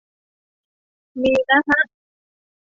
มีนะฮะ